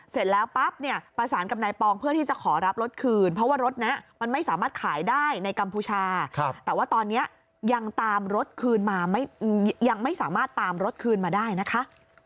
เสร็จแล้วปั๊บเนี่ยประสานกับนายปองเพื่อที่จะขอรับรถคืนเพราะว่ารถนี้มันไม่สามารถขายได้ในกัมพูชาแต่ว่าตอนนี้ยังตามรถคืนมายังไม่สามารถตามรถคืนมาได้นะคะ